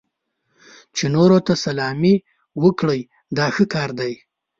چې نورو ته سلامي وکړئ دا ښه کار دی.